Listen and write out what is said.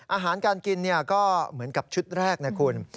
อาหารการกินก็เหมือนกับชุดแรกนะคุณ